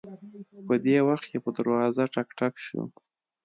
په دې وخت کې په دروازه ټک ټک شو